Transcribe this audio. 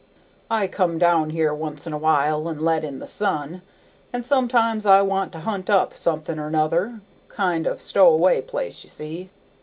"I come down here once in a while and let in the sun, and sometimes I want to hunt up something or 'nother; kind of stow away place, ye see."